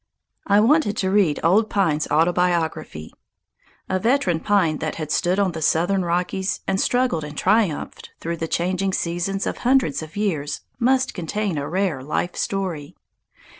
I wanted to read Old Pine's autobiography. A veteran pine that had stood on the southern Rockies and struggled and triumphed through the changing seasons of hundreds of years must contain a rare life story.